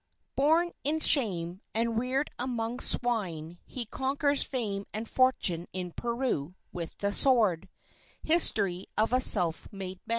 BORN IN SHAME AND REARED AMONG SWINE, HE CONQUERS FAME AND FORTUNE IN PERU WITH THE SWORD HISTORY OF A SELF MADE MAN.